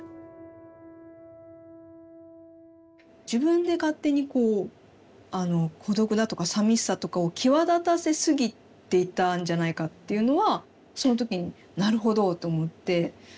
自分で勝手にこう孤独だとかさみしさとかを際立たせすぎていたんじゃないかっていうのはその時になるほどって思って。